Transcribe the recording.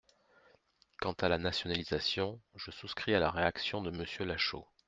Quant à la nationalisation, je souscris à la réaction de Monsieur Lachaud.